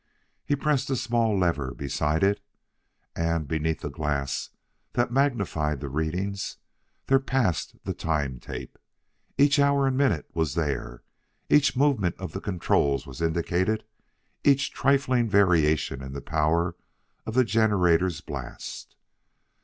He pressed a small lever beside it, and, beneath a glass that magnified the readings, there passed the time tape. Each hour and minute was there; each movement of the controls was indicated; each trifling variation in the power of the generator's blast.